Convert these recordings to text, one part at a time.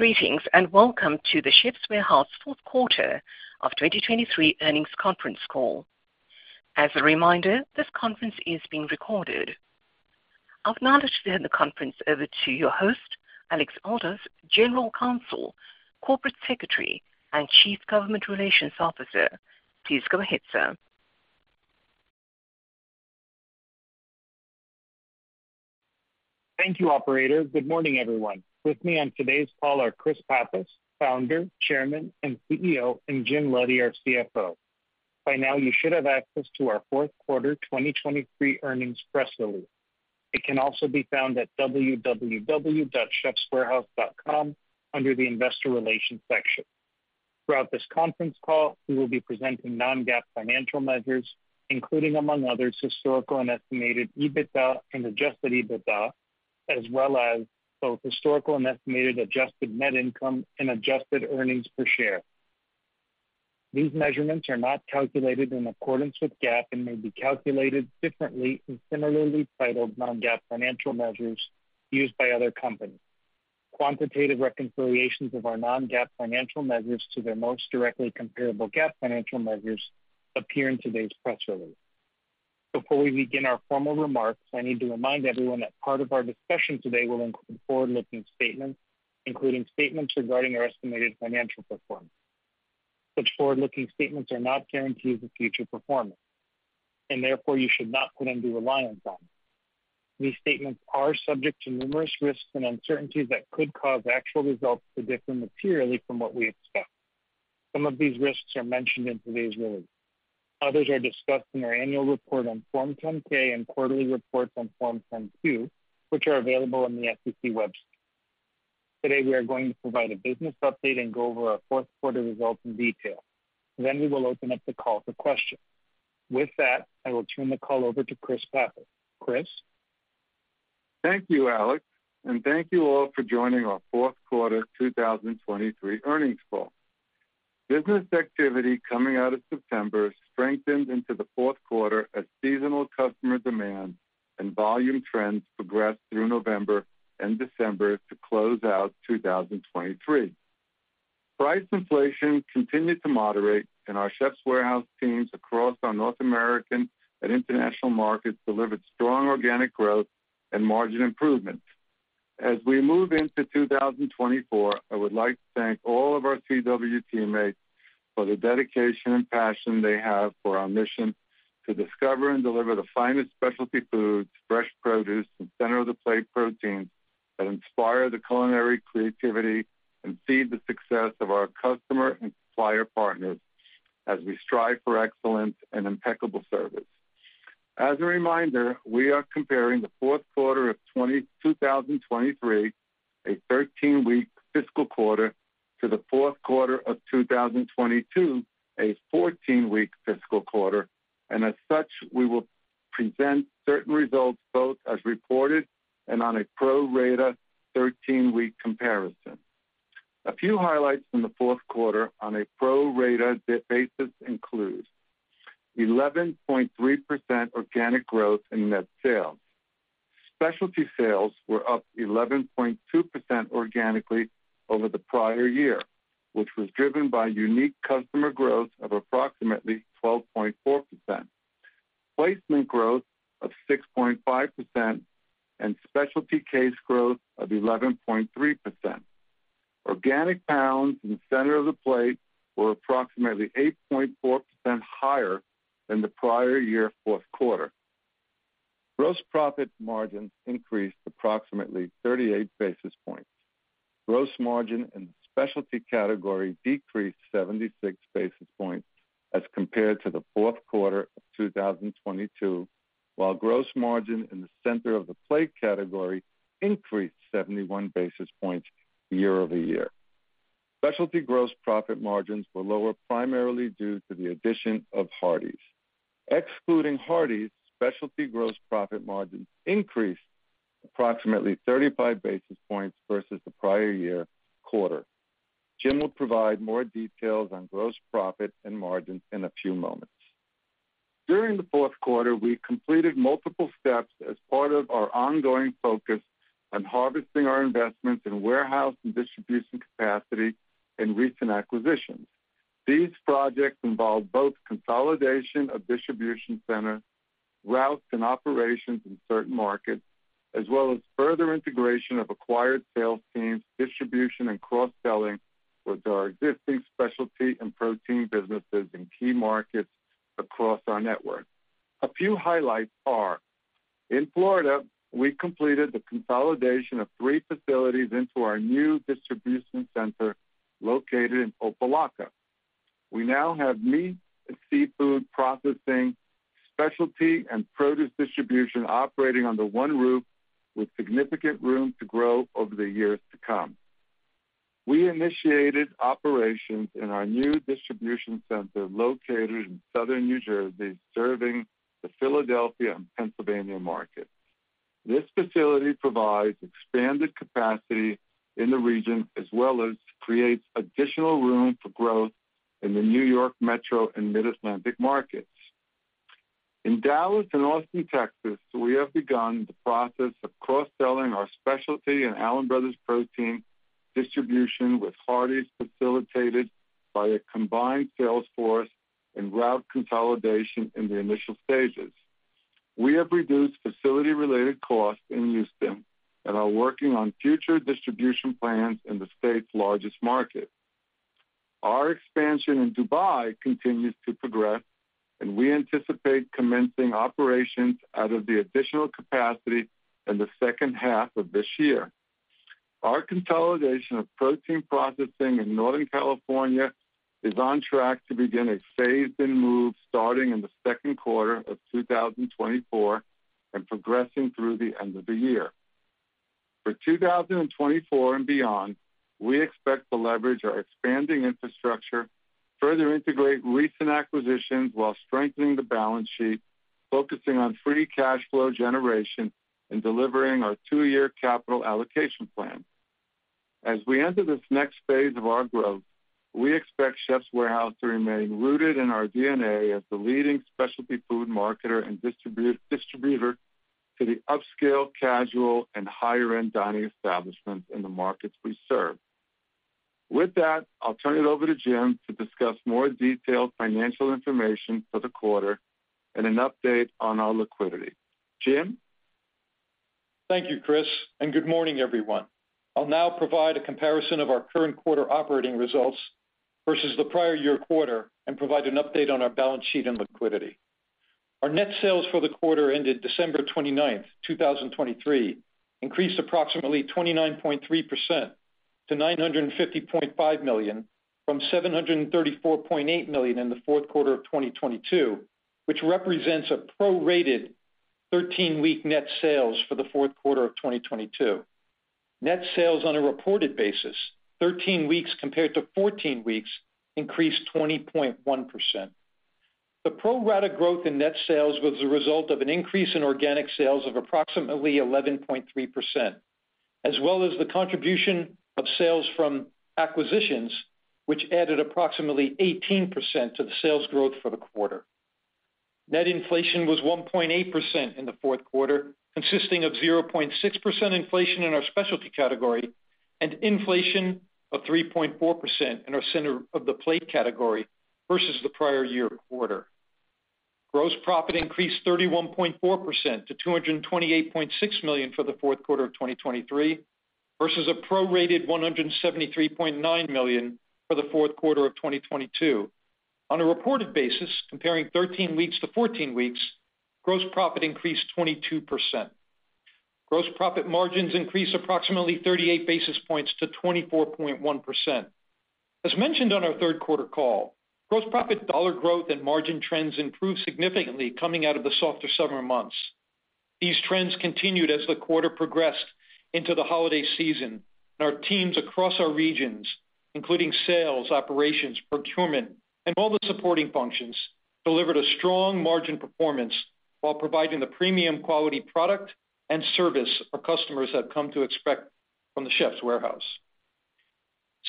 Greetings and welcome to The Chefs' Warehouse fourth quarter of 2023 earnings conference call. As a reminder, this conference is being recorded. I've now let you turn the conference over to your host, Alex Aldous, General Counsel, Corporate Secretary, and Chief Government Relations Officer. Please go ahead, sir. Thank you, Operator. Good morning, everyone. With me on today's call are Chris Pappas, Founder, Chairman, and CEO, and Jim Leddy, our CFO. By now, you should have access to our fourth quarter 2023 earnings press release. It can also be found at www.chefswarehouse.com under the investor relations section. Throughout this conference call, we will be presenting non-GAAP financial measures, including, among others, historical and estimated EBITDA and adjusted EBITDA, as well as both historical and estimated adjusted net income and adjusted earnings per share. These measurements are not calculated in accordance with GAAP and may be calculated differently in similarly titled non-GAAP financial measures used by other companies. Quantitative reconciliations of our non-GAAP financial measures to their most directly comparable GAAP financial measures appear in today's press release. Before we begin our formal remarks, I need to remind everyone that part of our discussion today will include forward-looking statements, including statements regarding our estimated financial performance. Such forward-looking statements are not guarantees of future performance, and therefore you should not put undue reliance on them. These statements are subject to numerous risks and uncertainties that could cause actual results to differ materially from what we expect. Some of these risks are mentioned in today's release. Others are discussed in our annual report on Form 10-K and quarterly reports on Form 10-Q, which are available on the SEC website. Today, we are going to provide a business update and go over our fourth quarter results in detail. Then we will open up the call for questions. With that, I will turn the call over to Chris Pappas. Chris? Thank you, Alex, and thank you all for joining our fourth quarter 2023 earnings call. Business activity coming out of September strengthened into the fourth quarter as seasonal customer demand and volume trends progressed through November and December to close out 2023. Price inflation continued to moderate, and our Chefs' Warehouse teams across our North American and international markets delivered strong organic growth and margin improvement. As we move into 2024, I would like to thank all of our CW teammates for the dedication and passion they have for our mission to discover and deliver the finest specialty foods, fresh produce, and center-of-the-plate proteins that inspire the culinary creativity and feed the success of our customer and supplier partners as we strive for excellence and impeccable service. As a reminder, we are comparing the fourth quarter of 2023, a 13-week fiscal quarter, to the fourth quarter of 2022, a 14-week fiscal quarter, and as such, we will present certain results both as reported and on a pro-rata 13-week comparison. A few highlights from the fourth quarter on a pro-rata basis include: 11.3% organic growth in net sales. Specialty sales were up 11.2% organically over the prior year, which was driven by unique customer growth of approximately 12.4%, placement growth of 6.5%, and specialty case growth of 11.3%. Organic pounds in center-of-the-plate were approximately 8.4% higher than the prior year fourth quarter. Gross profit margins increased approximately 38 basis points. Gross margin in the specialty category decreased 76 basis points as compared to the fourth quarter of 2022, while gross margin in the center-of-the-plate category increased 71 basis points year-over-year. Specialty gross profit margins were lower primarily due to the addition of Hardie's. Excluding Hardie's, specialty gross profit margins increased approximately 35 basis points versus the prior year quarter. Jim will provide more details on gross profit and margins in a few moments. During the fourth quarter, we completed multiple steps as part of our ongoing focus on harvesting our investments in warehouse and distribution capacity and recent acquisitions. These projects involved both consolidation of distribution centers, routes and operations in certain markets, as well as further integration of acquired sales teams, distribution, and cross-selling with our existing specialty and protein businesses in key markets across our network. A few highlights are: In Florida, we completed the consolidation of three facilities into our new distribution center located in Opa-locka. We now have meat and seafood processing, specialty, and produce distribution operating under one roof with significant room to grow over the years to come. We initiated operations in our new distribution center located in Southern New Jersey, serving the Philadelphia and Pennsylvania markets. This facility provides expanded capacity in the region as well as creates additional room for growth in the New York Metro and Mid-Atlantic markets. In Dallas and Austin, Texas, we have begun the process of cross-selling our specialty and Allen Brothers protein distribution with Hardie's facilitated by a combined sales force and route consolidation in the initial stages. We have reduced facility-related costs in Houston and are working on future distribution plans in the state's largest market. Our expansion in Dubai continues to progress, and we anticipate commencing operations out of the additional capacity in the second half of this year. Our consolidation of protein processing in Northern California is on track to begin a phased-in move starting in the second quarter of 2024 and progressing through the end of the year. For 2024 and beyond, we expect to leverage our expanding infrastructure, further integrate recent acquisitions while strengthening the balance sheet, focusing on free cash flow generation, and delivering our two-year capital allocation plan. As we enter this next phase of our growth, we expect Chefs' Warehouse to remain rooted in our DNA as the leading specialty food marketer and distributor to the upscale, casual, and higher-end dining establishments in the markets we serve. With that, I'll turn it over to Jim to discuss more detailed financial information for the quarter and an update on our liquidity. Jim? Thank you, Chris, and good morning, everyone. I'll now provide a comparison of our current quarter operating results versus the prior year quarter and provide an update on our balance sheet and liquidity. Our net sales for the quarter ended December 29th, 2023, increased approximately 29.3% to $950.5 million from $734.8 million in the fourth quarter of 2022, which represents a pro-rated 13-week net sales for the fourth quarter of 2022. Net sales on a reported basis, 13 weeks compared to 14 weeks, increased 20.1%. The pro-rata growth in net sales was the result of an increase in organic sales of approximately 11.3%, as well as the contribution of sales from acquisitions, which added approximately 18% to the sales growth for the quarter. Net inflation was 1.8% in the fourth quarter, consisting of 0.6% inflation in our specialty category and inflation of 3.4% in our center-of-the-plate category versus the prior year quarter. Gross profit increased 31.4% to $228.6 million for the fourth quarter of 2023 versus a pro-rated $173.9 million for the fourth quarter of 2022. On a reported basis, comparing 13 weeks to 14 weeks, gross profit increased 22%. Gross profit margins increased approximately 38 basis points to 24.1%. As mentioned on our third quarter call, gross profit dollar growth and margin trends improved significantly coming out of the softer summer months. These trends continued as the quarter progressed into the holiday season, and our teams across our regions, including sales, operations, procurement, and all the supporting functions, delivered a strong margin performance while providing the premium quality product and service our customers have come to expect from The Chefs' Warehouse.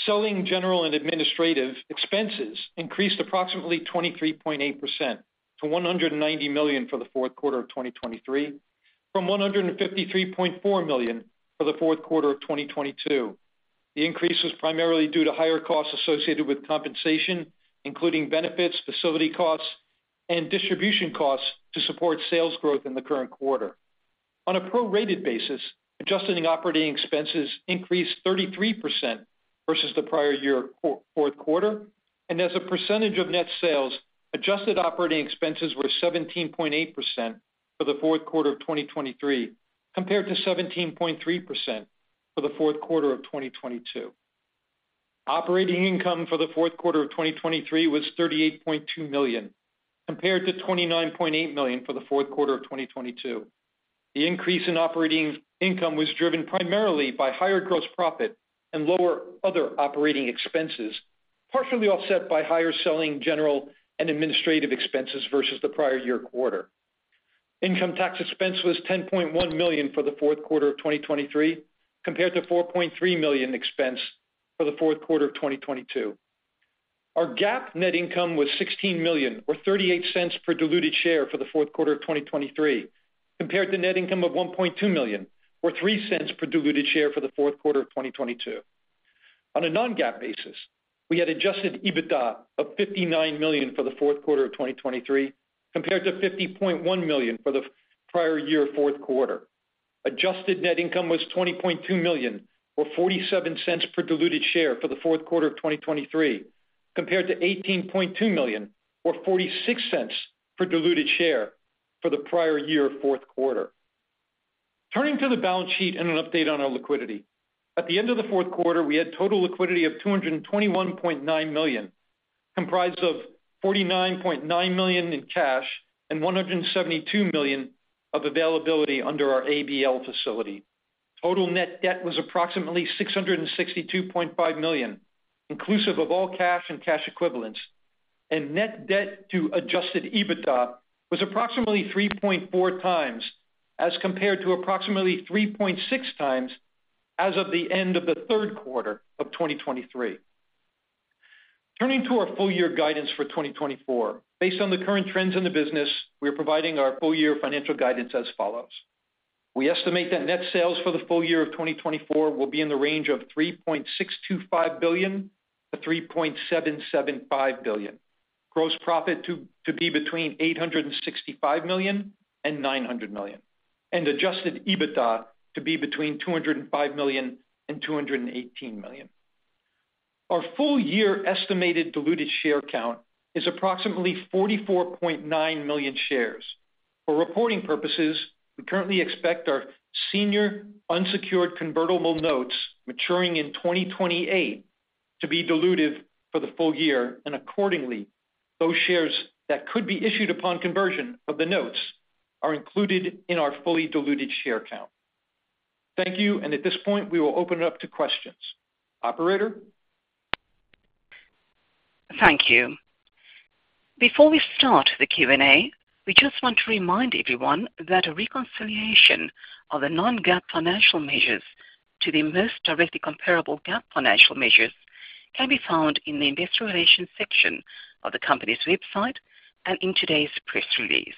Selling, general and administrative expenses increased approximately 23.8% to $190 million for the fourth quarter of 2023, from $153.4 million for the fourth quarter of 2022. The increase was primarily due to higher costs associated with compensation, including benefits, facility costs, and distribution costs to support sales growth in the current quarter. On a pro-rated basis, adjusted operating expenses increased 33% versus the prior year fourth quarter, and as a percentage of net sales, adjusted operating expenses were 17.8% for the fourth quarter of 2023 compared to 17.3% for the fourth quarter of 2022. Operating income for the fourth quarter of 2023 was $38.2 million compared to $29.8 million for the fourth quarter of 2022. The increase in operating income was driven primarily by higher gross profit and lower other operating expenses, partially offset by higher selling, general and administrative expenses versus the prior year quarter. Income tax expense was $10.1 million for the fourth quarter of 2023 compared to $4.3 million expense for the fourth quarter of 2022. Our GAAP net income was $16 million or $0.38 per diluted share for the fourth quarter of 2023 compared to net income of $1.2 million or $0.03 per diluted share for the fourth quarter of 2022. On a non-GAAP basis, we had Adjusted EBITDA of $59 million for the fourth quarter of 2023 compared to $50.1 million for the prior year fourth quarter. Adjusted net income was $20.2 million or $0.47 per diluted share for the fourth quarter of 2023 compared to $18.2 million or $0.46 per diluted share for the prior year fourth quarter. Turning to the balance sheet and an update on our liquidity. At the end of the fourth quarter, we had total liquidity of $221.9 million, comprised of $49.9 million in cash and $172 million of availability under our ABL facility. Total net debt was approximately $662.5 million, inclusive of all cash and cash equivalents, and net debt to Adjusted EBITDA was approximately 3.4 times as compared to approximately 3.6 times as of the end of the third quarter of 2023. Turning to our full-year guidance for 2024. Based on the current trends in the business, we are providing our full-year financial guidance as follows. We estimate that net sales for the full year of 2024 will be in the range of $3.625 billion-$3.775 billion, gross profit to be between $865 million and $900 million, and Adjusted EBITDA to be between $205 million and $218 million. Our full-year estimated diluted share count is approximately 44.9 million shares. For reporting purposes, we currently expect our senior unsecured convertible notes maturing in 2028 to be diluted for the full year, and accordingly, those shares that could be issued upon conversion of the notes are included in our fully diluted share count. Thank you, and at this point, we will open it up to questions. Operator? Thank you. Before we start the Q&A, we just want to remind everyone that a reconciliation of the non-GAAP financial measures to the most directly comparable GAAP financial measures can be found in the investor relations section of the company's website and in today's press release.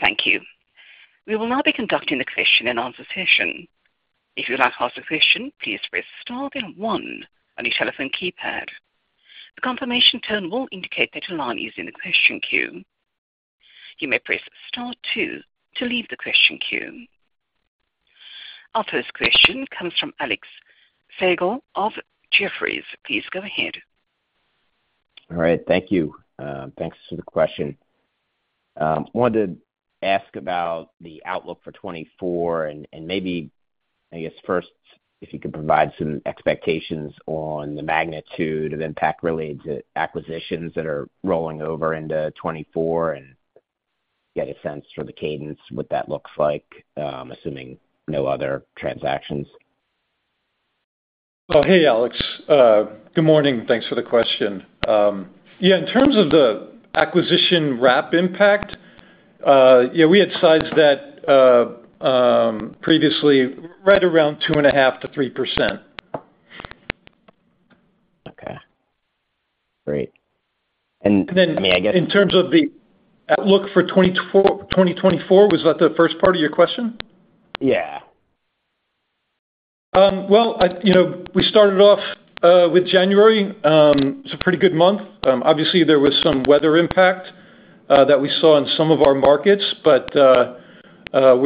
Thank you. We will now be conducting the question-and-answer session. If you would like to ask a question, please press star then one on your telephone keypad. The confirmation tone will indicate that your line is in the question queue. You may press star two to leave the question queue. Our first question comes from Alex Slagle of Jefferies. Please go ahead. All right. Thank you. Thanks for the question. I wanted to ask about the outlook for 2024 and maybe, I guess, first, if you could provide some expectations on the magnitude of impact-related acquisitions that are rolling over into 2024 and get a sense for the cadence, what that looks like, assuming no other transactions. Well, hey, Alex. Good morning. Thanks for the question. Yeah, in terms of the acquisition wrap impact, yeah, we had sized that previously right around 2.5%-3%. Okay. Great. I mean, I guess. And then in terms of the outlook for 2024, was that the first part of your question? Yeah. Well, we started off with January. It's a pretty good month. Obviously, there was some weather impact that we saw in some of our markets, but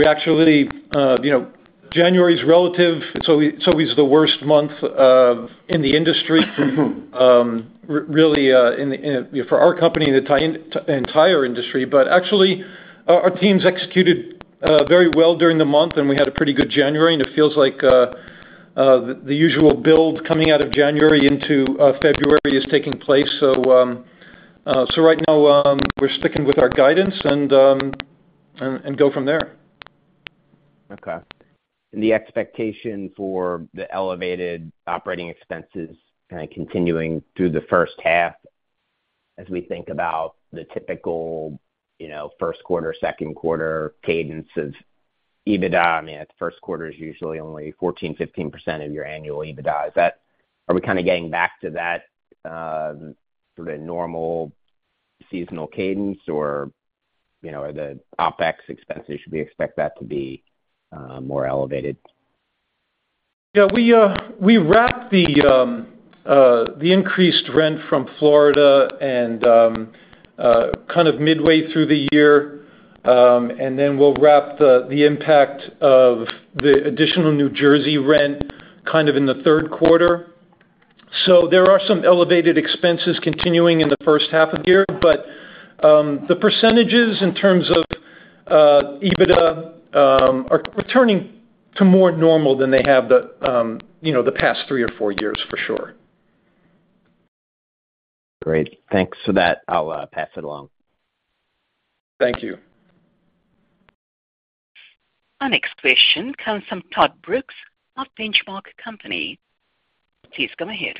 actually, January's relative. It's always the worst month in the industry, really, for our company and the entire industry. But actually, our teams executed very well during the month, and we had a pretty good January. It feels like the usual build coming out of January into February is taking place. So right now, we're sticking with our guidance and go from there. Okay. And the expectation for the elevated operating expenses kind of continuing through the first half as we think about the typical first quarter, second quarter cadence of EBITDA? I mean, the first quarter is usually only 14%-15% of your annual EBITDA. Are we kind of getting back to that sort of normal seasonal cadence, or are the OpEx expenses should we expect that to be more elevated? Yeah, we wrap the increased rent from Florida kind of midway through the year, and then we'll wrap the impact of the additional New Jersey rent kind of in the third quarter. So there are some elevated expenses continuing in the first half of the year, but the percentages in terms of EBITDA are returning to more normal than they have the past three or four years, for sure. Great. Thanks for that. I'll pass it along. Thank you. Our next question comes from Todd Brooks of Benchmark Company. Please go ahead.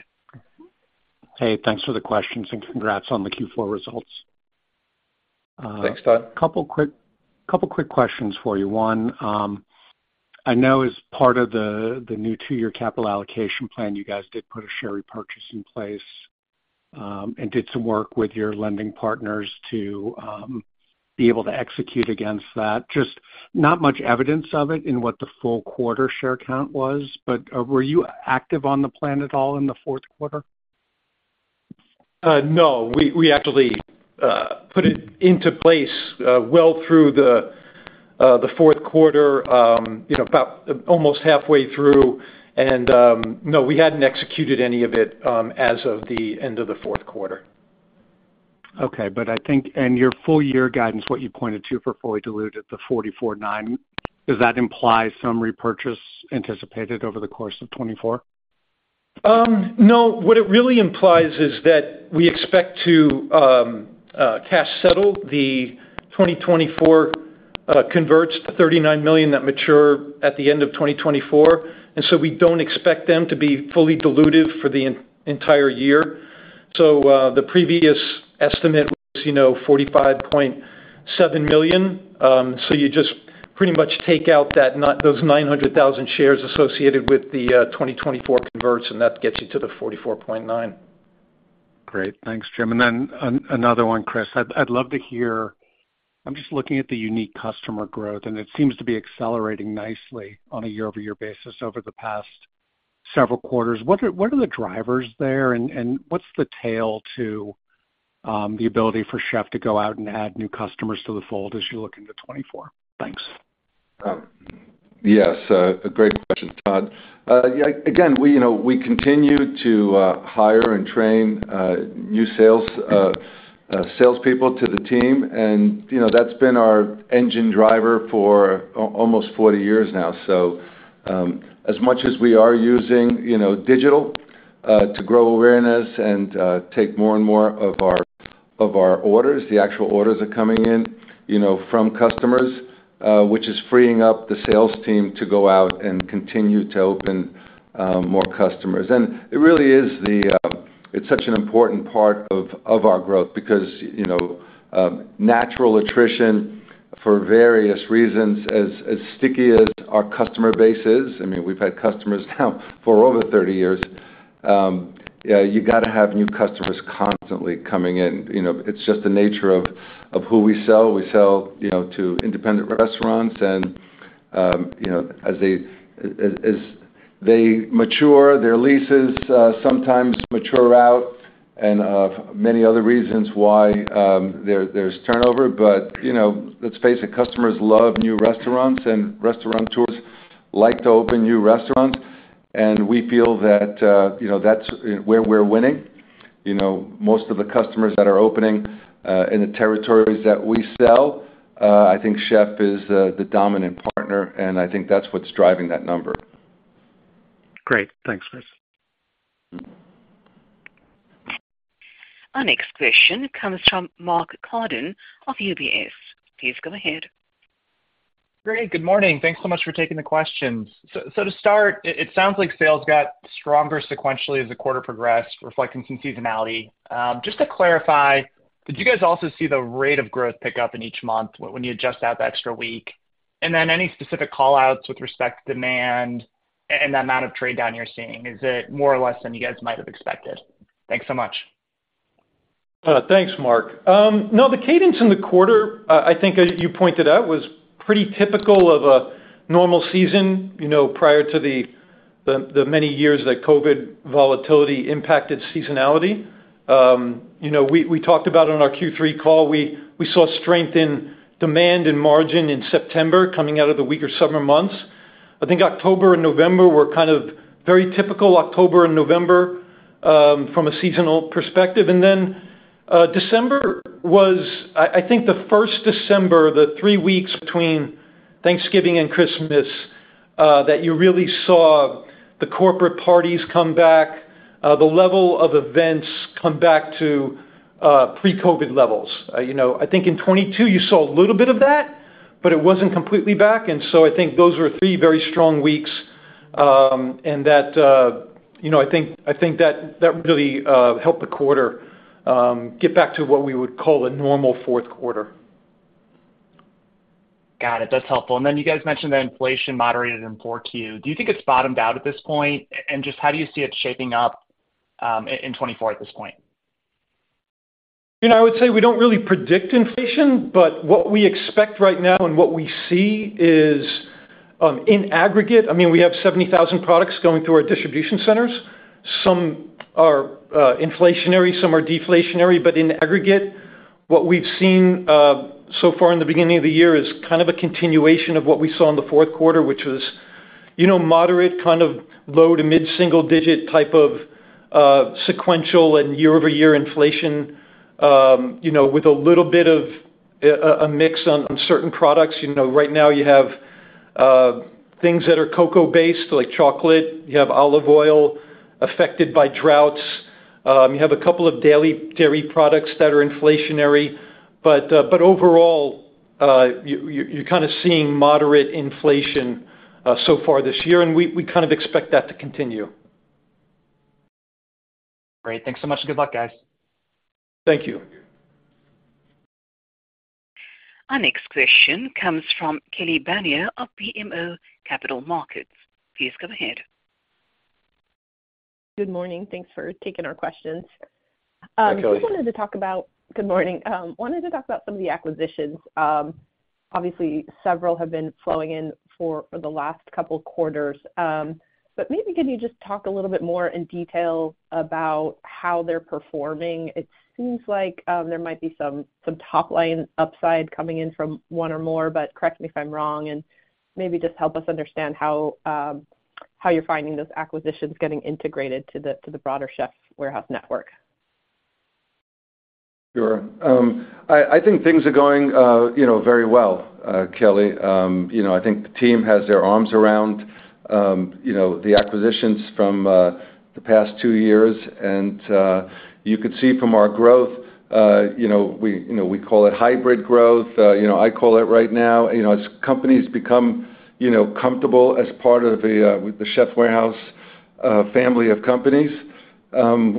Hey, thanks for the questions and congrats on the Q4 results. Thanks, Todd. A couple of quick questions for you. One, I know as part of the new two-year capital allocation plan, you guys did put a share repurchase in place and did some work with your lending partners to be able to execute against that. Just not much evidence of it in what the full quarter share count was, but were you active on the plan at all in the fourth quarter? No, we actually put it into place well through the fourth quarter, almost halfway through. And no, we hadn't executed any of it as of the end of the fourth quarter. Okay. Your full-year guidance, what you pointed to for fully diluted, the 44.9, does that imply some repurchase anticipated over the course of 2024? No, what it really implies is that we expect to cash settle the 2024 converts to $39 million that mature at the end of 2024, and so we don't expect them to be fully diluted for the entire year. So the previous estimate was $45.7 million, so you just pretty much take out those 900,000 shares associated with the 2024 converts, and that gets you to the 44.9. Great. Thanks, Jim. And then another one, Chris. I'd love to hear. I'm just looking at the unique customer growth, and it seems to be accelerating nicely on a year-over-year basis over the past several quarters. What are the drivers there, and what's the tail to the ability for Chef to go out and add new customers to the fold as you look into 2024? Thanks. Yes, a great question, Todd. Again, we continue to hire and train new salespeople to the team, and that's been our engine driver for almost 40 years now. So as much as we are using digital to grow awareness and take more and more of our orders, the actual orders are coming in from customers, which is freeing up the sales team to go out and continue to open more customers. And it really is it's such an important part of our growth because natural attrition, for various reasons, as sticky as our customer base is. I mean, we've had customers now for over 30 years. You got to have new customers constantly coming in. It's just the nature of who we sell. We sell to independent restaurants, and as they mature, their leases sometimes mature out and many other reasons why there's turnover. Let's face it, customers love new restaurants, and restaurateurs like to open new restaurants, and we feel that that's where we're winning. Most of the customers that are opening in the territories that we sell, I think Chef is the dominant partner, and I think that's what's driving that number. Great. Thanks, Chris. Our next question comes from Mark Carden of UBS. Please go ahead. Great. Good morning. Thanks so much for taking the questions. So to start, it sounds like sales got stronger sequentially as the quarter progressed, reflecting some seasonality. Just to clarify, did you guys also see the rate of growth pick up in each month when you adjust out the extra week? And then any specific callouts with respect to demand and the amount of trade-down you're seeing? Is it more or less than you guys might have expected? Thanks so much. Thanks, Mark. No, the cadence in the quarter, I think you pointed out, was pretty typical of a normal season prior to the many years that COVID volatility impacted seasonality. We talked about it on our Q3 call. We saw strength in demand and margin in September, coming out of the weaker summer months. I think October and November were kind of very typical, October and November, from a seasonal perspective. And then December was, I think, the first December, the three weeks between Thanksgiving and Christmas, that you really saw the corporate parties come back, the level of events come back to pre-COVID levels. I think in 2022, you saw a little bit of that, but it wasn't completely back. And so I think those were three very strong weeks, and I think that really helped the quarter get back to what we would call a normal fourth quarter. Got it. That's helpful. Then you guys mentioned that inflation moderated in Q4. Do you think it's bottomed out at this point, and just how do you see it shaping up in 2024 at this point? I would say we don't really predict inflation, but what we expect right now and what we see is, in aggregate I mean, we have 70,000 products going through our distribution centers. Some are inflationary, some are deflationary. But in aggregate, what we've seen so far in the beginning of the year is kind of a continuation of what we saw in the fourth quarter, which was moderate, kind of low- to mid-single-digit type of sequential and year-over-year inflation with a little bit of a mix on certain products. Right now, you have things that are cocoa-based, like chocolate. You have olive oil affected by droughts. You have a couple of dairy products that are inflationary. But overall, you're kind of seeing moderate inflation so far this year, and we kind of expect that to continue. Great. Thanks so much. Good luck, guys. Thank you. Our next question comes from Kelly Bania of BMO Capital Markets. Please go ahead. Good morning. Thanks for taking our questions. I just wanted to talk about some of the acquisitions. Obviously, several have been flowing in for the last couple of quarters. But maybe can you just talk a little bit more in detail about how they're performing? It seems like there might be some top-line upside coming in from one or more, but correct me if I'm wrong and maybe just help us understand how you're finding those acquisitions getting integrated to the broader Chefs' Warehouse network. Sure. I think things are going very well, Kelly. I think the team has their arms around the acquisitions from the past two years. And you could see from our growth, we call it hybrid growth. I call it right now as companies become comfortable as part of the Chefs' Warehouse family of companies,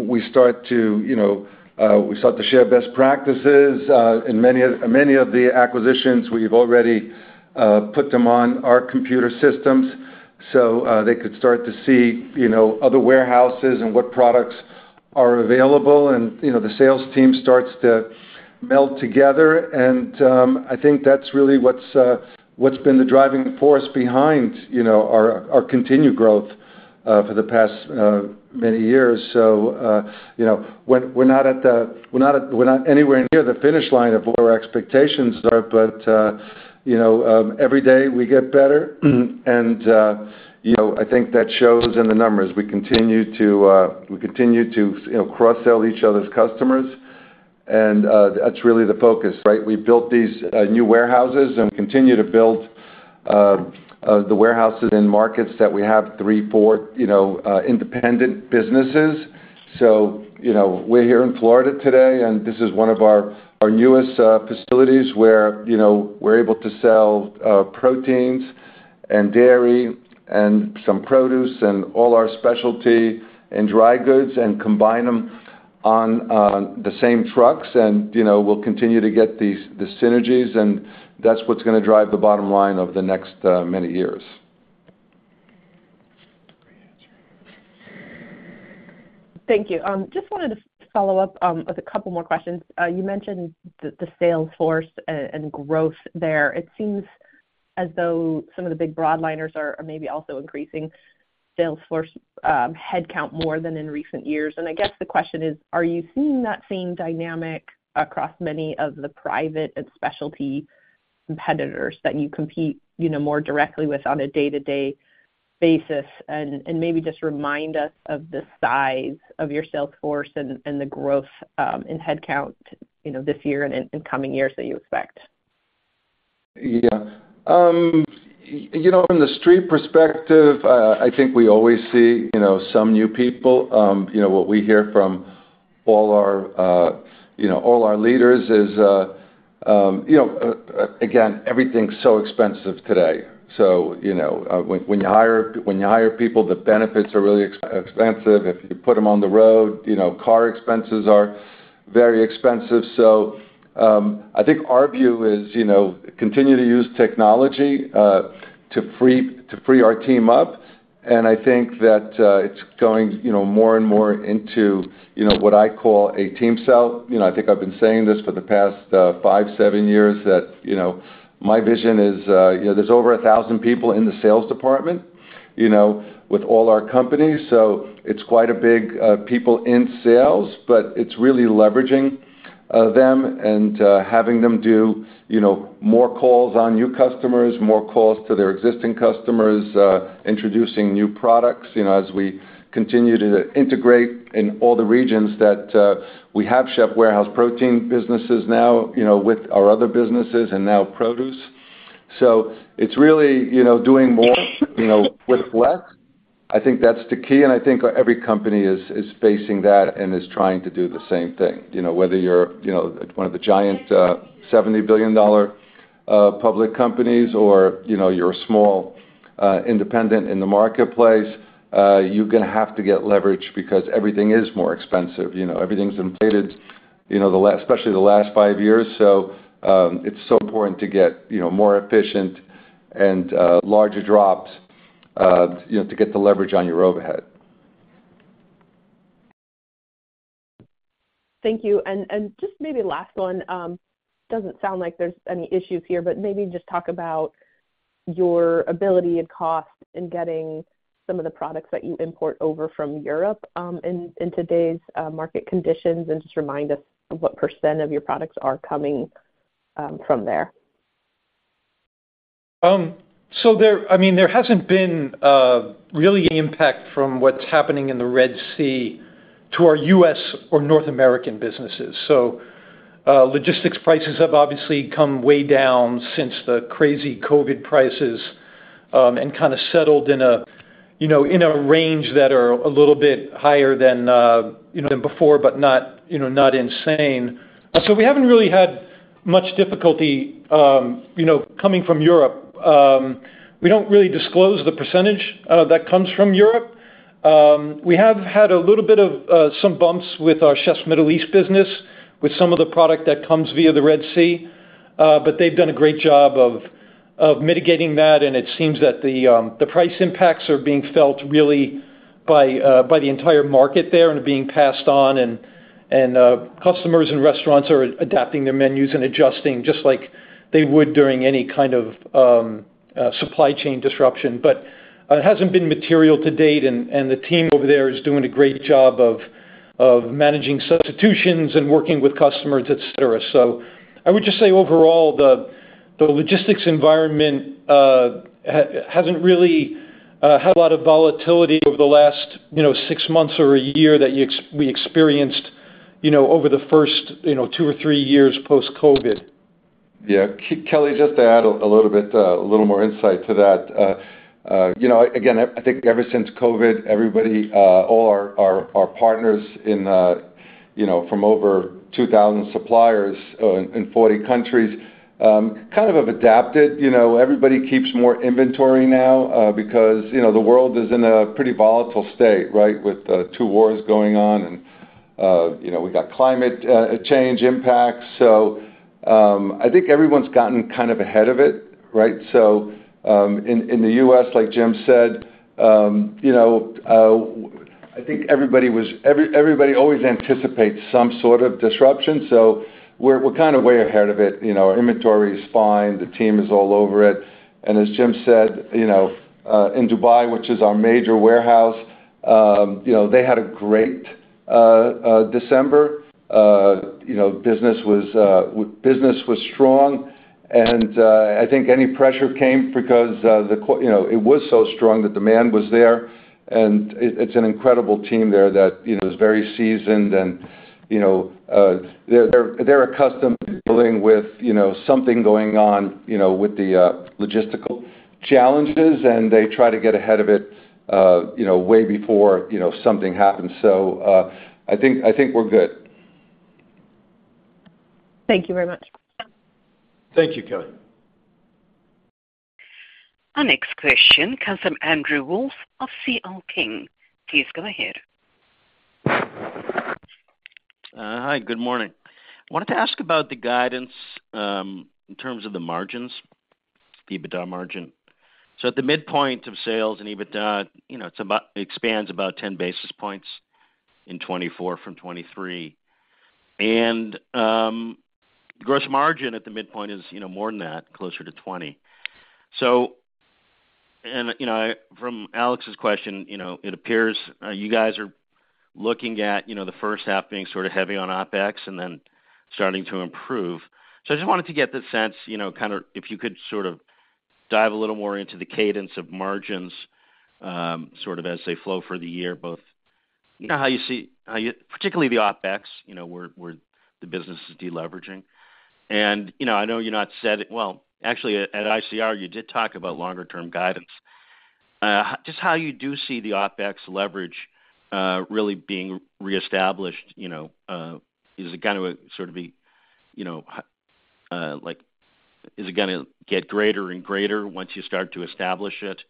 we start to we start to share best practices. In many of the acquisitions, we've already put them on our computer systems, so they could start to see other warehouses and what products are available. And the sales team starts to meld together. And I think that's really what's been the driving force behind our continued growth for the past many years. So we're not at the we're not anywhere near the finish line of what our expectations are, but every day, we get better. And I think that shows in the numbers. We continue to cross-sell each other's customers, and that's really the focus, right? We built these new warehouses and continue to build the warehouses in markets that we have three, four independent businesses. So we're here in Florida today, and this is one of our newest facilities where we're able to sell proteins and dairy and some produce and all our specialty and dry goods and combine them on the same trucks. And we'll continue to get the synergies, and that's what's going to drive the bottom line of the next many years. Thank you. Just wanted to follow up with a couple more questions. You mentioned the sales force and growth there. It seems as though some of the big broadliners are maybe also increasing sales force headcount more than in recent years. I guess the question is, are you seeing that same dynamic across many of the private and specialty competitors that you compete more directly with on a day-to-day basis? Maybe just remind us of the size of your sales force and the growth in headcount this year and in coming years that you expect. Yeah. From the street perspective, I think we always see some new people. What we hear from all our leaders is, again, everything's so expensive today. So when you hire people, the benefits are really expensive. If you put them on the road, car expenses are very expensive. So I think our view is continue to use technology to free our team up. And I think that it's going more and more into what I call a team sell. I think I've been saying this for the past five, seven years, that my vision is there's over 1,000 people in the sales department with all our companies. So it's quite a bit of people in sales, but it's really leveraging them and having them do more calls on new customers, more calls to their existing customers, introducing new products as we continue to integrate in all the regions that we have Chefs' Warehouse protein businesses now with our other businesses and now produce. So it's really doing more with less. I think that's the key. And I think every company is facing that and is trying to do the same thing. Whether you're one of the giant $70 billion public companies or you're a small independent in the marketplace, you're going to have to get leverage because everything is more expensive. Everything's inflated, especially the last five years. So it's so important to get more efficient and larger drops to get the leverage on your overhead. Thank you. And just maybe last one. It doesn't sound like there's any issues here, but maybe just talk about your ability and cost in getting some of the products that you import over from Europe in today's market conditions and just remind us what percent of your products are coming from there. So I mean, there hasn't been really an impact from what's happening in the Red Sea to our U.S. or North American businesses. So logistics prices have obviously come way down since the crazy COVID prices and kind of settled in a range that are a little bit higher than before, but not insane. So we haven't really had much difficulty coming from Europe. We don't really disclose the percentage that comes from Europe. We have had a little bit of some bumps with our Chefs' Middle East business with some of the product that comes via the Red Sea, but they've done a great job of mitigating that. And it seems that the price impacts are being felt really by the entire market there and being passed on. And customers and restaurants are adapting their menus and adjusting just like they would during any kind of supply chain disruption. But it hasn't been material to date, and the team over there is doing a great job of managing substitutions and working with customers, etc. So I would just say overall, the logistics environment hasn't really had a lot of volatility over the last six months or a year that we experienced over the first two or three years post-COVID. Yeah. Kelly, just to add a little bit more insight to that. Again, I think ever since COVID, all our partners from over 2,000 suppliers in 40 countries kind of have adapted. Everybody keeps more inventory now because the world is in a pretty volatile state, right, with two wars going on, and we got climate change impacts. So I think everyone's gotten kind of ahead of it, right? So in the U.S., like Jim said, I think everybody always anticipates some sort of disruption. So we're kind of way ahead of it. Our inventory is fine. The team is all over it. And as Jim said, in Dubai, which is our major warehouse, they had a great December. Business was strong. And I think any pressure came because it was so strong that demand was there. And it's an incredible team there that is very seasoned. They're accustomed to dealing with something going on with the logistical challenges, and they try to get ahead of it way before something happens. I think we're good. Thank you very much. Thank you, Kelly. Our next question comes from Andrew Wolf of CL King. Please go ahead. Hi. Good morning. Wanted to ask about the guidance in terms of the margins, the EBITDA margin. So at the midpoint of sales and EBITDA, it expands about 10 basis points in 2024 from 2023. And the gross margin at the midpoint is more than that, closer to 20. And from Alex's question, it appears you guys are looking at the first half being sort of heavy on OpEx and then starting to improve. So I just wanted to get the sense kind of if you could sort of dive a little more into the cadence of margins sort of as they flow for the year, both how you see particularly the OpEx where the business is deleveraging. And I know you're not set well, actually, at ICR, you did talk about longer-term guidance. Just how you do see the OpEx leverage really being reestablished? Is it going to sort of get greater and greater once you start to establish it?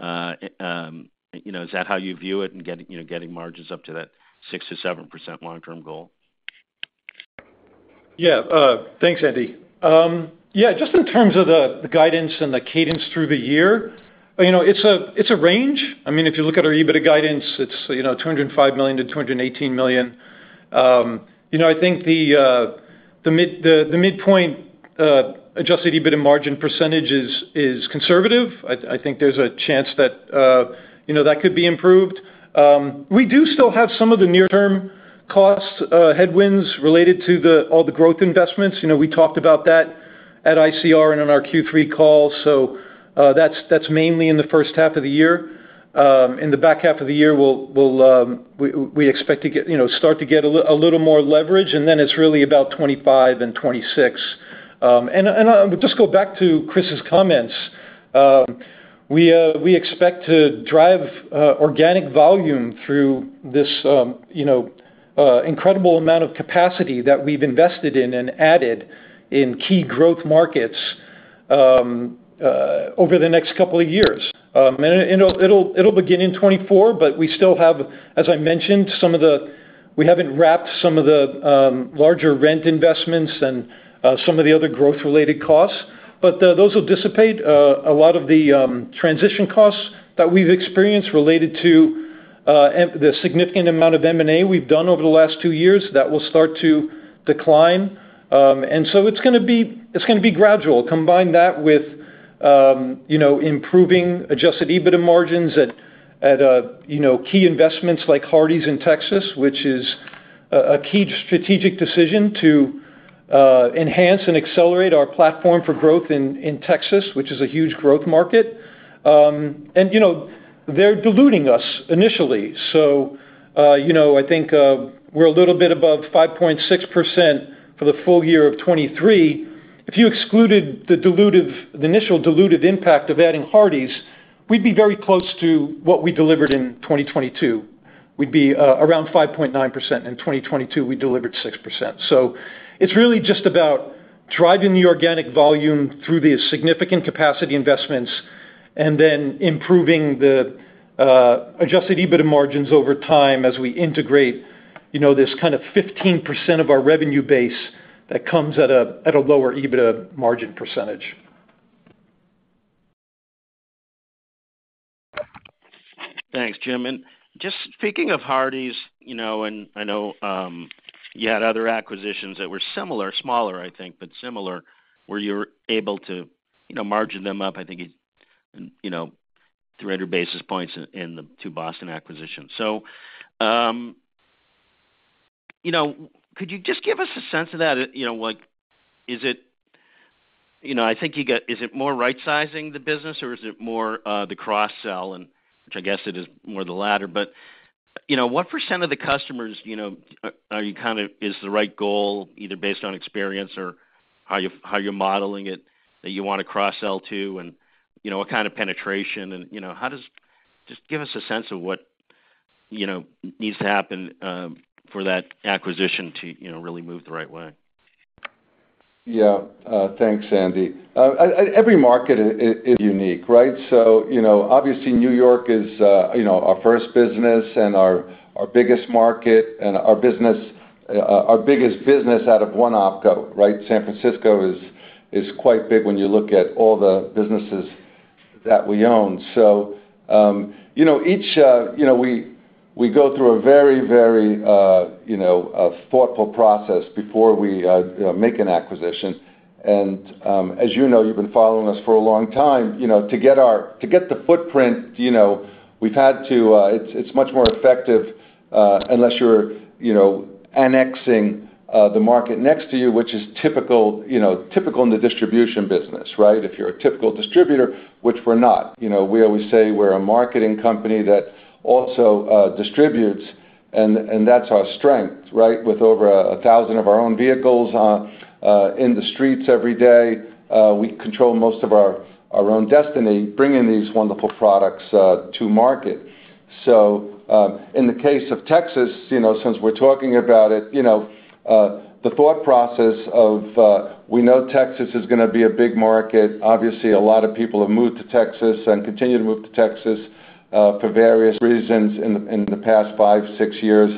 Is that how you view it and getting margins up to that 6%-7% long-term goal? Yeah. Thanks, Andy. Yeah. Just in terms of the guidance and the cadence through the year, it's a range. I mean, if you look at our EBITDA guidance, it's $205 million-$218 million. I think the midpoint adjusted EBITDA margin percentage is conservative. I think there's a chance that that could be improved. We do still have some of the near-term cost headwinds related to all the growth investments. We talked about that at ICR and on our Q3 call. So that's mainly in the first half of the year. In the back half of the year, we expect to start to get a little more leverage, and then it's really about 2025 and 2026. And I would just go back to Chris's comments. We expect to drive organic volume through this incredible amount of capacity that we've invested in and added in key growth markets over the next couple of years. It'll begin in 2024, but we still have, as I mentioned, some of the we haven't wrapped some of the larger rent investments and some of the other growth-related costs. But those will dissipate. A lot of the transition costs that we've experienced related to the significant amount of M&A we've done over the last two years, that will start to decline. And so it's going to be gradual. Combine that with improving Adjusted EBITDA margins at key investments like Hardie's in Texas, which is a key strategic decision to enhance and accelerate our platform for growth in Texas, which is a huge growth market. And they're diluting us initially. I think we're a little bit above 5.6% for the full year of 2023. If you excluded the initial diluted impact of adding Hardie's, we'd be very close to what we delivered in 2022. We'd be around 5.9%. In 2022, we delivered 6%. So it's really just about driving the organic volume through the significant capacity investments and then improving the Adjusted EBITDA margins over time as we integrate this kind of 15% of our revenue base that comes at a lower EBITDA margin percentage. Thanks, Jim. And just speaking of Hardie's, and I know you had other acquisitions that were similar, smaller, I think, but similar where you were able to margin them up, I think, 300 basis points in the two Boston acquisitions. So could you just give us a sense of that? Is it more right-sizing the business, or is it more the cross-sell, which I guess it is more the latter? But what percent of the customers is the right goal, either based on experience or how you're modeling it, that you want to cross-sell to and what kind of penetration? And just give us a sense of what needs to happen for that acquisition to really move the right way. Yeah. Thanks, Andy. Every market is unique, right? So obviously, New York is our first business and our biggest market and our biggest business out of one OpCo, right? San Francisco is quite big when you look at all the businesses that we own. So each we go through a very, very thoughtful process before we make an acquisition. And as you know, you've been following us for a long time. To get the footprint, we've had to it's much more effective unless you're annexing the market next to you, which is typical in the distribution business, right? If you're a typical distributor, which we're not. We always say we're a marketing company that also distributes, and that's our strength, right? With over 1,000 of our own vehicles in the streets every day, we control most of our own destiny, bringing these wonderful products to market. So in the case of Texas, since we're talking about it, the thought process of we know Texas is going to be a big market. Obviously, a lot of people have moved to Texas and continue to move to Texas for various reasons in the past five, six years.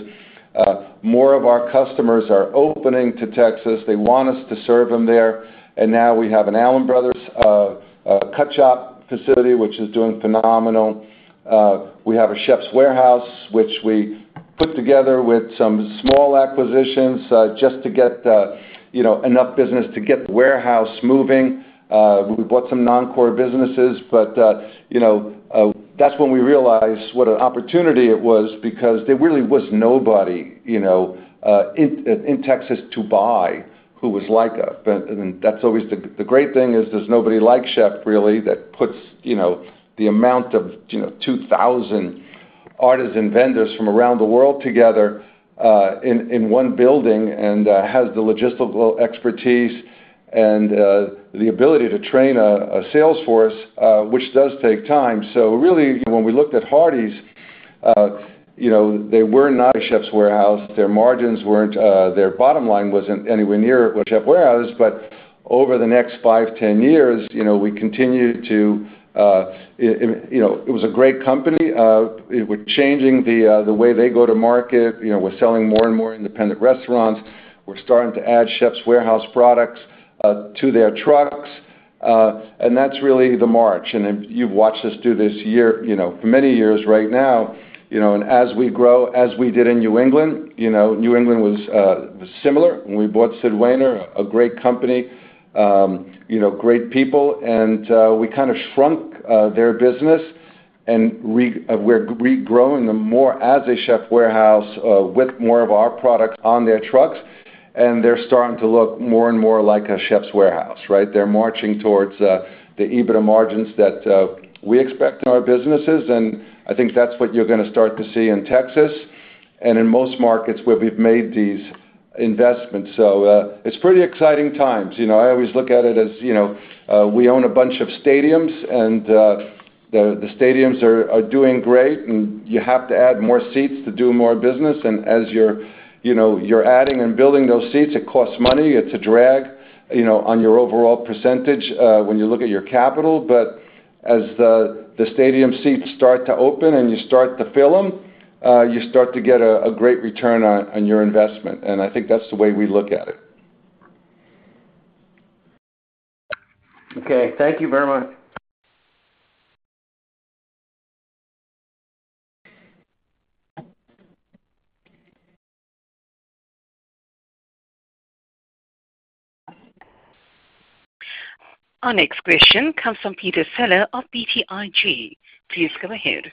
More of our customers are opening to Texas. They want us to serve them there. And now we have an Allen Brothers Cut Shop facility, which is doing phenomenal. We have a Chefs' Warehouse, which we put together with some small acquisitions just to get enough business to get the warehouse moving. We bought some non-core businesses, but that's when we realized what an opportunity it was because there really was nobody in Texas to buy who was like us. And that's always the great thing is there's nobody like Chefs', really, that puts the amount of 2,000 artists and vendors from around the world together in one building and has the logistical expertise and the ability to train a salesforce, which does take time. So really, when we looked at Hardie's, they were not a Chefs' Warehouse. Their margins weren't. Their bottom line wasn't anywhere near a Chefs' Warehouse. But over the next five years, ten years, we continued to. It was a great company. We're changing the way they go to market. We're selling more and more independent restaurants. We're starting to add Chefs' Warehouse products to their trucks. And that's really the march. And you've watched us do this for many years right now. And as we grow, as we did in New England. New England was similar. We bought Sid Wainer, a great company, great people. We kind of shrunk their business. We're regrowing them more as a Chefs' Warehouse with more of our products on their trucks. They're starting to look more and more like a Chefs' Warehouse, right? They're marching towards the EBITDA margins that we expect in our businesses. I think that's what you're going to start to see in Texas and in most markets where we've made these investments. It's pretty exciting times. I always look at it as we own a bunch of stadiums, and the stadiums are doing great. You have to add more seats to do more business. As you're adding and building those seats, it costs money. It's a drag on your overall percentage when you look at your capital. As the stadium seats start to open and you start to fill them, you start to get a great return on your investment. I think that's the way we look at it. Okay. Thank you very much. Our next question comes from Peter Saleh of BTIG. Please go ahead.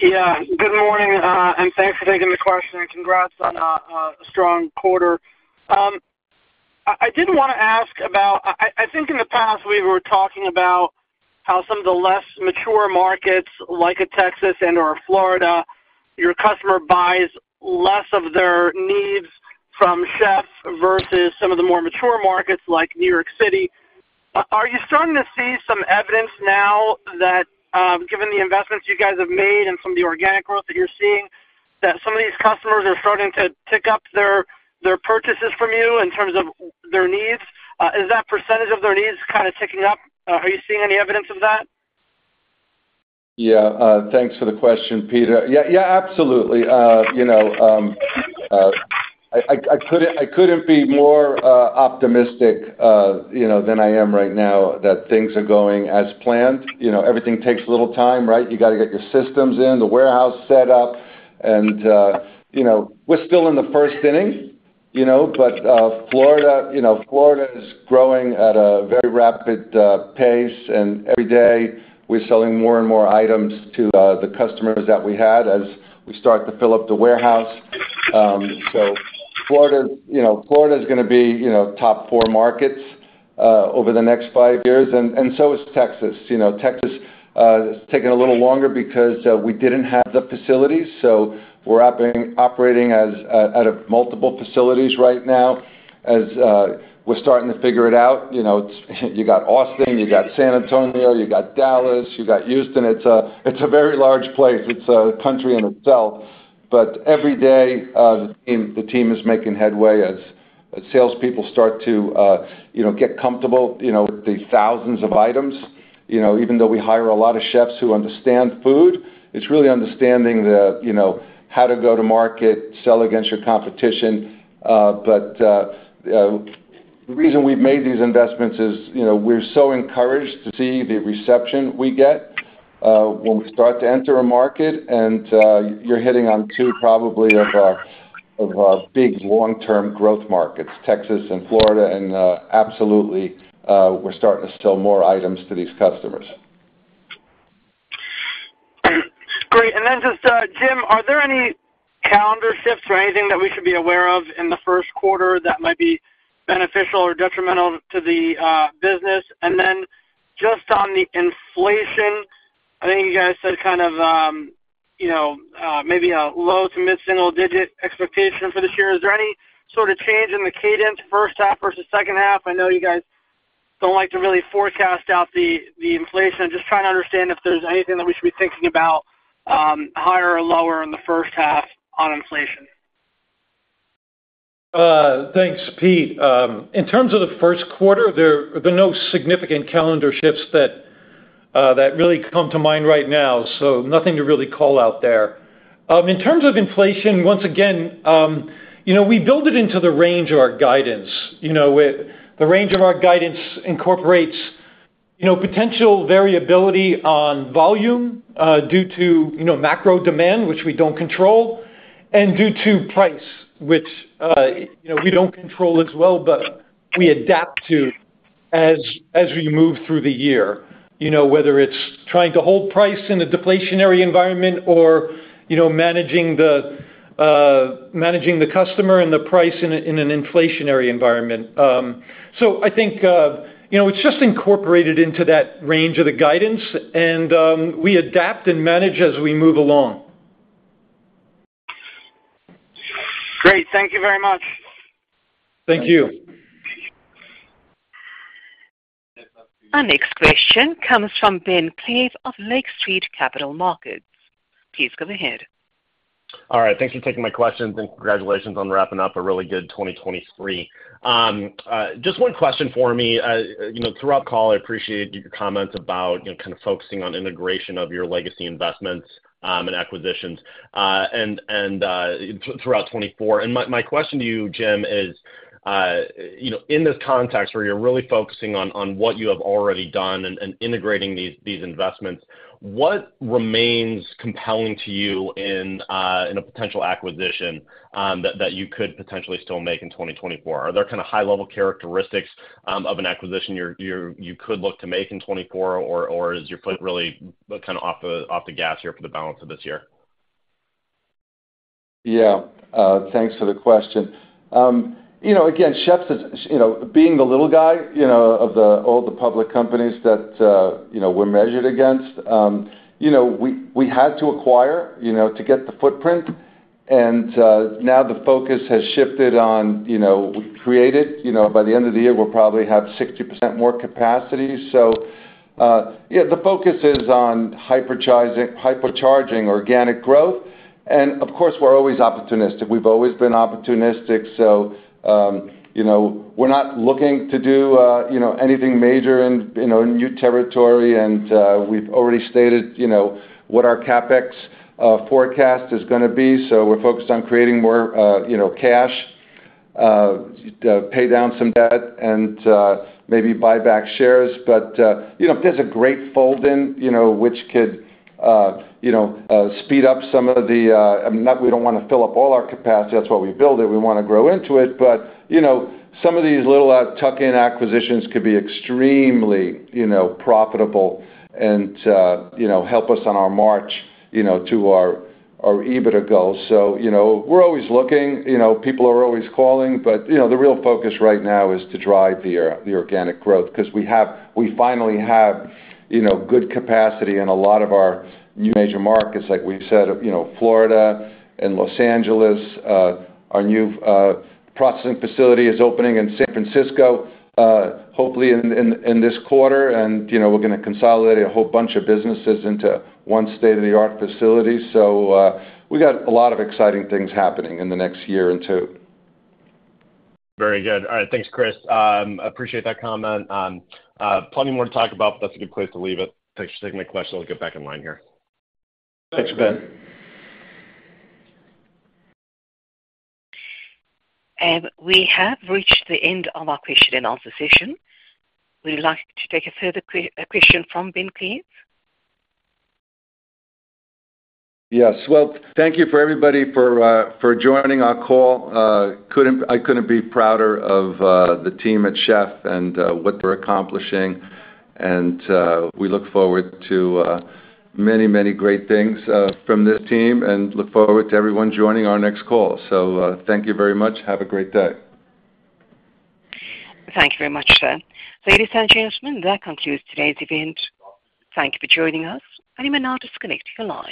Yeah. Good morning. Thanks for taking the question. Congrats on a strong quarter. I did want to ask about, I think in the past, we were talking about how some of the less mature markets like a Texas and/or Florida, your customer buys less of their needs from Chef versus some of the more mature markets like New York City. Are you starting to see some evidence now that, given the investments you guys have made and some of the organic growth that you're seeing, that some of these customers are starting to pick up their purchases from you in terms of their needs? Is that percentage of their needs kind of ticking up? Are you seeing any evidence of that? Yeah. Thanks for the question, Peter. Yeah. Yeah. Absolutely. I couldn't be more optimistic than I am right now that things are going as planned. Everything takes a little time, right? You got to get your systems in, the warehouse set up. And we're still in the first inning. But Florida is growing at a very rapid pace. And every day, we're selling more and more items to the customers that we had as we start to fill up the warehouse. So Florida is going to be top four markets over the next five years. And so is Texas. Texas is taking a little longer because we didn't have the facilities. So we're operating out of multiple facilities right now as we're starting to figure it out. You got Austin. You got San Antonio. You got Dallas. You got Houston. It's a very large place. It's a country in itself. But every day, the team is making headway as salespeople start to get comfortable with the thousands of items. Even though we hire a lot of chefs who understand food, it's really understanding how to go to market, sell against your competition. But the reason we've made these investments is we're so encouraged to see the reception we get when we start to enter a market. And you're hitting on two, probably, of our big long-term growth markets, Texas and Florida. And absolutely, we're starting to sell more items to these customers. Great. And then just, Jim, are there any calendar shifts or anything that we should be aware of in the first quarter that might be beneficial or detrimental to the business? And then just on the inflation, I think you guys said kind of maybe a low- to mid-single-digit expectation for this year. Is there any sort of change in the cadence, first half versus second half? I know you guys don't like to really forecast out the inflation. I'm just trying to understand if there's anything that we should be thinking about, higher or lower, in the first half on inflation. Thanks, Pete. In terms of the first quarter, there are no significant calendar shifts that really come to mind right now, so nothing to really call out there. In terms of inflation, once again, we build it into the range of our guidance. The range of our guidance incorporates potential variability on volume due to macro demand, which we don't control, and due to price, which we don't control as well, but we adapt to as we move through the year, whether it's trying to hold price in a deflationary environment or managing the customer and the price in an inflationary environment. So I think it's just incorporated into that range of the guidance. And we adapt and manage as we move along. Great. Thank you very much. Thank you. Our next question comes from Ben Klieve of Lake Street Capital Markets. Please go ahead. All right. Thanks for taking my questions. Congratulations on wrapping up a really good 2023. Just one question for me. Throughout the call, I appreciated your comments about kind of focusing on integration of your legacy investments and acquisitions throughout 2024. My question to you, Jim, is in this context where you're really focusing on what you have already done and integrating these investments, what remains compelling to you in a potential acquisition that you could potentially still make in 2024? Are there kind of high-level characteristics of an acquisition you could look to make in 2024, or is your foot really kind of off the gas here for the balance of this year? Yeah. Thanks for the question. Again, Chefs, being the little guy of all the public companies that we're measured against, we had to acquire to get the footprint. And now the focus has shifted on we created. By the end of the year, we'll probably have 60% more capacity. So yeah, the focus is on hypercharging organic growth. And of course, we're always opportunistic. We've always been opportunistic. So we're not looking to do anything major in new territory. And we've already stated what our CapEx forecast is going to be. So we're focused on creating more cash, pay down some debt, and maybe buy back shares. But if there's a great fold-in, which could speed up some of the we don't want to fill up all our capacity. That's why we build it. We want to grow into it. But some of these little tuck-in acquisitions could be extremely profitable and help us on our march to our EBITDA goals. So we're always looking. People are always calling. But the real focus right now is to drive the organic growth because we finally have good capacity in a lot of our new major markets, like we said, Florida and Los Angeles. Our new processing facility is opening in San Francisco, hopefully, in this quarter. And we're going to consolidate a whole bunch of businesses into one state-of-the-art facility. So we got a lot of exciting things happening in the next year and two. Very good. All right. Thanks, Chris. Appreciate that comment. Plenty more to talk about, but that's a good place to leave it. Thanks for taking my question. I'll get back in line here. Thanks, Ben. We have reached the end of our question-and-answer session. Would you like to take a further question from Ben Klieve? Yes. Well, thank you for everybody for joining our call. I couldn't be prouder of the team at Chef and what they're accomplishing. And we look forward to many, many great things from this team and look forward to everyone joining our next call. So thank you very much. Have a great day. Thank you very much, sir. Ladies and gentlemen, that concludes today's event. Thank you for joining us. You may now disconnect your line.